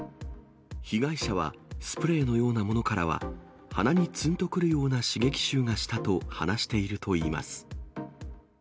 被害者はスプレーのようなものからは、鼻につんとくるような刺激臭がしたと話しているといいます。